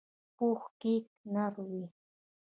پوخ کیک نر وي